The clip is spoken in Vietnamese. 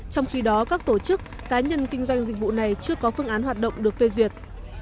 trong khi đó các tổ chức cá nhân kinh doanh dịch vụ này chưa có phương án hoạt động được phê duyệt